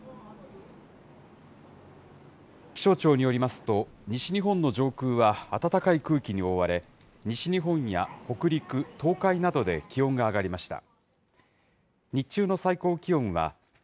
気象庁によりますと、西日本の上空は暖かい空気に覆われ、西日本や北陸、東海などで気温が上がりました。